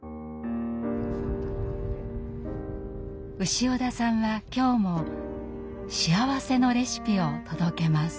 潮田さんは今日も幸せのレシピを届けます。